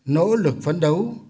nỗ lực phấn đấu